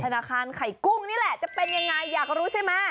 ธนาคารไข่กุ้งนี่แหละจะเป็นยังไงอยากรู้ใช่ไหม